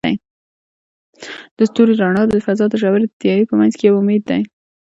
د ستوري رڼا د فضاء د ژورې تیارې په منځ کې یو امید دی.